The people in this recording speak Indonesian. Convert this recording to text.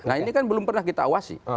nah ini kan belum pernah kita awasi